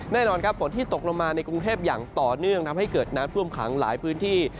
แน่นอนครับฝนที่ตกลงมาในกรุงเทพอย่างต่อเนื่องทำให้เกิดน้ำท่วมขังหลายพื้นที่